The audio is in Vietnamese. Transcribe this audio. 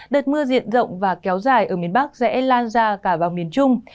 đợt mưa diện rộng và kéo dài ở miền bắc sẽ lan ra cả vào miền trung